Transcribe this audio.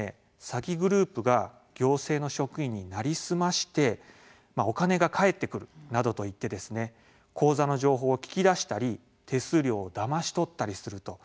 詐欺グループが行政の職員に成り済ましてお金が返ってくるなどと言って口座の情報を聞き出したり手数料をだまし取ったりすると。